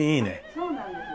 そうなんですよ。